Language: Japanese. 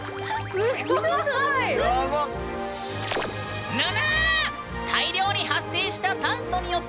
すごいぬ！